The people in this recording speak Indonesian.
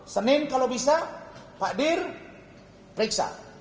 senin kalau bisa pak dir periksa